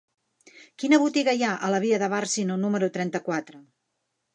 Quina botiga hi ha a la via de Bàrcino número trenta-quatre?